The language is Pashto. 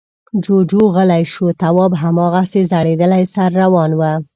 جُوجُو غلی شو. تواب هماغسې ځړېدلی سر روان و.